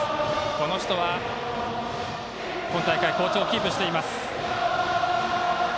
この人は、今大会好調をキープしています。